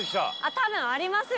多分ありますよ